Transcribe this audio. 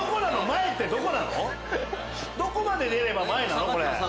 どこまで出れば前なの？